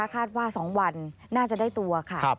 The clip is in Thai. คาดว่า๒วันน่าจะได้ตัว